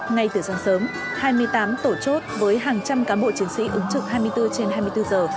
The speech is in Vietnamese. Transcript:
ngay từ sáng sớm hai mươi tám tổ chốt với hàng trăm cán bộ chiến sĩ ứng trực hai mươi bốn trên hai mươi bốn giờ